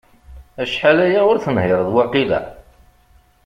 Acḥal aya ur tenhireḍ waqila?